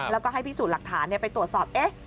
แล้วก็ให้พิสูจน์หลักฐานไปตรวจสอบ